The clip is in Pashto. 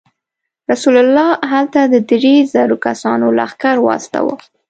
رسول الله هلته د درې زرو کسانو لښکر واستاوه.